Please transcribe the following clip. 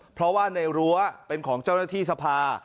เพราะว่าในรั้วเป็นของเจ้าหน้าที่สภา